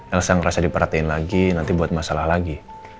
elsa ngerasa diperhatiin lagi nanti buat masalah lagi